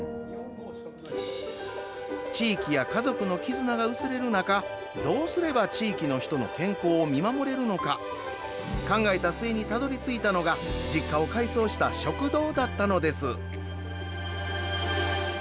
地域や家族のきずなが薄れる中どうすれば地域の人の健康を見守れるのか考えた末に、たどりついたのが実家を改装した食堂だったのです。